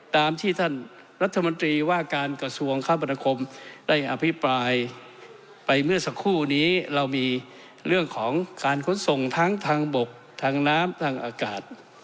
ตามที่ท่านรัฐมนตรีว่าการกระทรวงคมนาคมได้อภิปรายไปเมื่อสักครู่นี้เรามีเรื่องของการขนส่งทั้งทางบกทางน้ำทางอากาศ